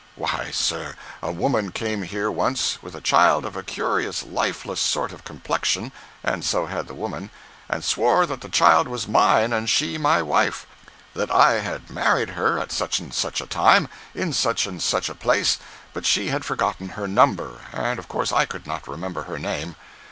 Why, sir, a woman came here once with a child of a curious lifeless sort of complexion (and so had the woman), and swore that the child was mine and she my wife—that I had married her at such and such a time in such and such a place, but she had forgotten her number, and of course I could not remember her name.